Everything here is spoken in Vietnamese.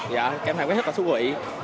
các em thấy rất là thú vị